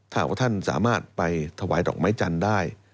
หากว่าท่านสามารถไปถวายดอกไม้จันทร์ได้